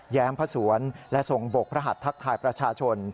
แม้มพระสวนและทรงบกพระหัสทักทายประชาชน